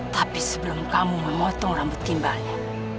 tapi sebelum kamu memotong rambut gimbalnya